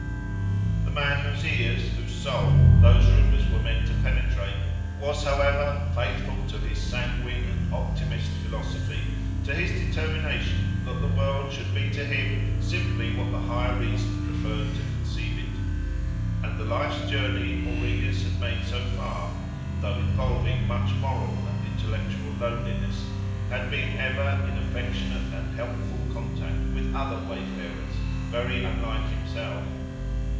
The man whose ears, whose soul, those rumours were meant to penetrate, was, however, faithful to his sanguine and optimist philosophy, to his determination that the world should be to him simply what the higher reason preferred to conceive it; and the life's journey Aurelius had made so far, though involving much moral and intellectual loneliness, had been ever in affectionate and helpful contact with other wayfarers, very unlike himself.